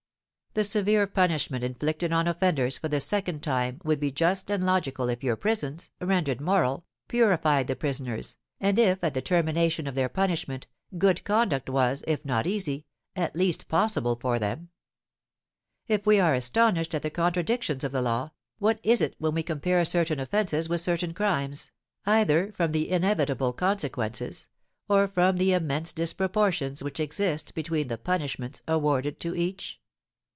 The severe punishment inflicted on offenders for the second time would be just and logical if your prisons, rendered moral, purified the prisoners, and if, at the termination of their punishment, good conduct was, if not easy, at least possible for them. If we are astonished at the contradictions of the law, what is it when we compare certain offences with certain crimes, either from the inevitable consequences, or from the immense disproportions which exist between the punishments, awarded to each?